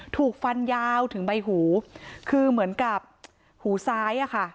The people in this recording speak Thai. ถูกฟันยาวถึงใบหูคือเหมือนกับหูซ้ายอ่ะค่ะ